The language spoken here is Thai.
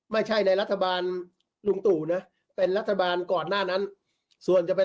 ในรัฐบาลลุงตู่นะเป็นรัฐบาลก่อนหน้านั้นส่วนจะไป